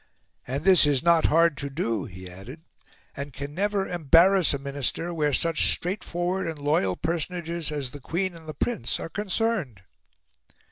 "And this is not hard to do," he added, "and can never embarrass a Minister where such straightforward loyal personages as the Queen and the Prince are concerned."